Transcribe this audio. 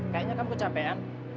kayaknya kamu kecapean